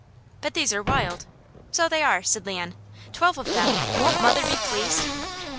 "But these are wild." "So they are," said Leon. "Twelve of them. Won't mother be pleased?"